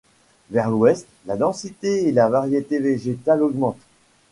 Vers l'ouest, la densité et la variété végétales augmentent.